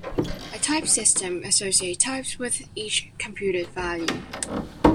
A type system associates types with each computed value.